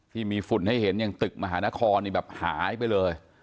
ฝุ่นให้เห็นอย่างตึกมหานครนี่แบบหายไปเลย